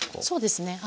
そうですね。